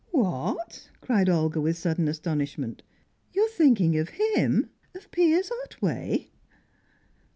"What!" cried Olga with sudden astonishment. "You are thinking of him of Piers Otway?"